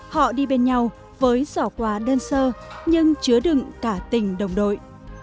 họ đi bên nhau với giỏ quà đơn sơ nhưng chứa đựng cả tình đồng đội